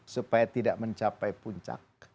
supaya tidak mencapai puncak